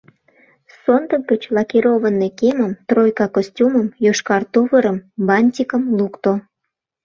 Сондык гыч лакированный кемым, тройка костюмым, йошкар тувырым, бантикым лукто.